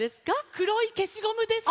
くろいけしゴムです。